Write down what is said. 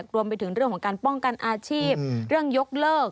รวมไปถึงเรื่องของการป้องกันอาชีพเรื่องยกเลิก